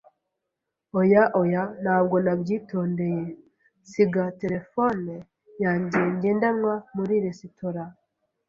Oya oya! Ntabwo nabyitondeye nsiga terefone yanjye ngendanwa muri resitora!